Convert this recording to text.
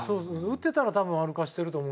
打ってたら多分歩かせてると思うんよね。